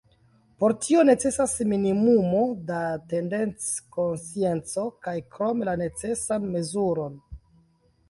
Por tio necesas minimumo da tendenc-konscienco kaj krome la necesan mezuron.